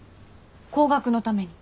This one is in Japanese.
後学のために。